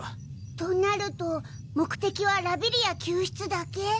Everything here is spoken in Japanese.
となると目的はラビリア救出だけ？